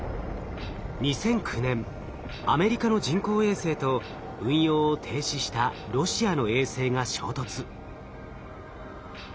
２００９年アメリカの人工衛星と運用を停止したロシアの衛星が衝突。